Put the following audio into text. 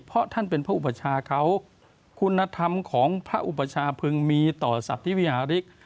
เพราะท่านเป็นพระอุปชาเขาคุณธรรมของพระอุปชาพึงมีต่อสัตว์วิหาริก